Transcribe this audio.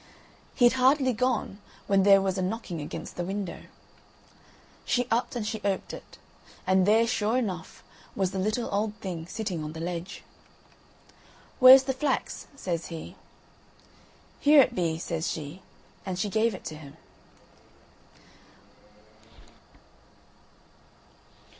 He'd hardly gone, when there was a knocking against the window. She upped and she oped it, and there sure enough was the little old thing sitting on the ledge. "Where's the flax?" says he. "Here it be," says she. And she gave it to him.